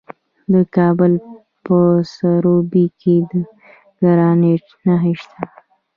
د کابل په سروبي کې د ګرانیټ نښې شته.